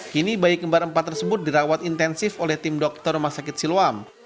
kini bayi kembar empat tersebut dirawat intensif oleh tim dokter rumah sakit siloam